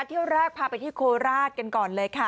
เที่ยวแรกพาไปที่โคราชกันก่อนเลยค่ะ